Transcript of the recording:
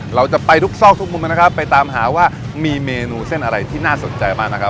เราจะไปทุกซอกทุกมุมนะครับไปตามหาว่ามีเมนูเส้นอะไรที่น่าสนใจมากนะครับ